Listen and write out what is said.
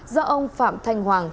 do ông phạm thanh hoàng